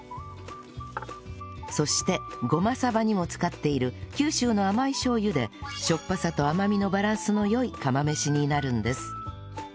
そしてごまさばにも使っている九州の甘いしょう油でしょっぱさと甘みのバランスの良い釜飯になるんです